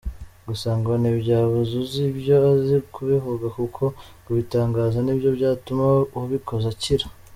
Gusa ngo ntibyabuza uzi ibyo azi kubivuga kuko kubitangaza ni byo byatuma wabikoze akira.